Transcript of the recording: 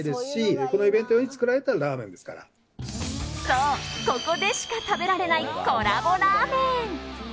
そう、ここでしか食べられないコラボラーメン。